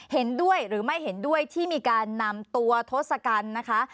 เห็นด้วยหรือไม่เห็นด้วยที่มีการนำตัวทศกัณฐ์นะคะ